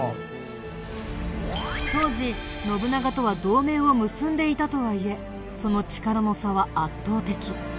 当時信長とは同盟を結んでいたとはいえその力の差は圧倒的。